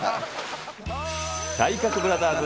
体格ブラザーズ